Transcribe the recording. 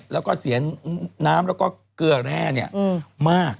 แล้วก็เสียน้ำแล้วก็เกลือแร่มาก